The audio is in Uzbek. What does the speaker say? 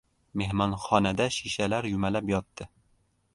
Mehmonxonada shishalar yumalab yotdi.